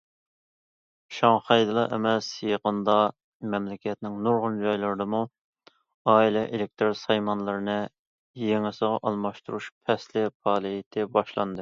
شاڭخەيدىلا ئەمەس، يېقىندا مەملىكەتنىڭ نۇرغۇن جايلىرىدىمۇ ئائىلە ئېلېكتىر سايمانلىرىنى« يېڭىسىغا ئالماشتۇرۇش پەسلى» پائالىيىتى باشلاندى.